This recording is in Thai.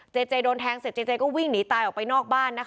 เจเจโดนแทงเสร็จเจเจก็วิ่งหนีตายออกไปนอกบ้านนะคะ